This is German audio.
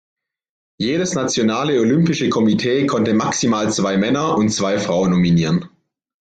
Jedes Nationale Olympische Komitee konnte maximal zwei Männer und zwei Frauen nominieren.